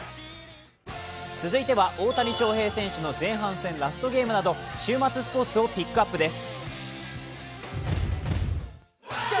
続いては大谷翔平選手の前半戦ラストゲームなど週末スポーツをピックアップです。